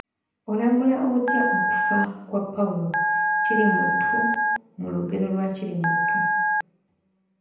Olamula otya okufa kwa Pawulo Kirimuttu mu lugero lwa Kirimuttu?